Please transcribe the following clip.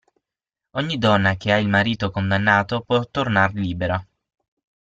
Ogni donna che ha il marito condannato può tornar libera.